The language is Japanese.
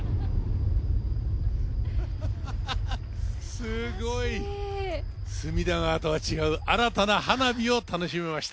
すごい！隅田川とは違う新たな花火を楽しめました。